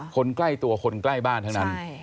คนใกล้ตัวคนใกล้บ้านทั้งนั้น